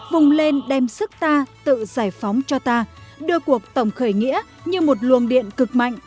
vùng lên đem sức ta tự giải phóng cho ta đưa cuộc tổng khởi nghĩa như một luồng điện cực mạnh